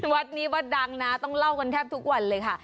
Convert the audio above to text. วัดนี้วัดดังนะต้องเล่ากันแทบทุกวันเลยค่ะ